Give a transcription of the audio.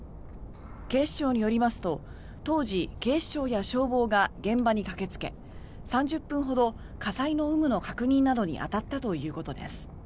警視庁によりますと当時、警視庁や消防が現場に駆けつけ３０分ほど火災の有無の確認などに当たったということです。